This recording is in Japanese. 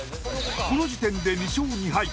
この時点で２勝２敗